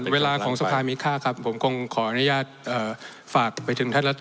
เวลาของสภามีค่าครับผมคงขออนุญาตฝากไปถึงท่านรัฐ